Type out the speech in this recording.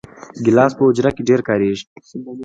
ګیلاس په حجره کې ډېر کارېږي.